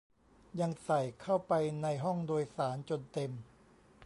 ยังใส่เข้าไปในห้องโดยสารจนเต็ม